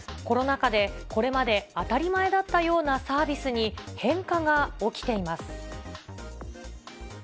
コロナ禍でこれまで当たり前だったようなサービスに変化が起きています。